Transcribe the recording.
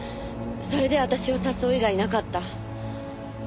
それで私を誘う以外になかった。